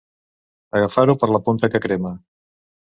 Agafar-ho per la punta que crema.